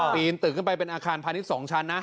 ปีนตึกขึ้นไปเป็นอาคารพอดิ์สองชั้น